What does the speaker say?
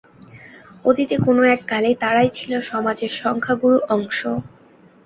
অতীতে কোনো এক কালে তারাই ছিল সমাজের সংখ্যাগুরু অংশ।